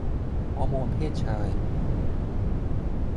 ฮอร์โมนเพศชาย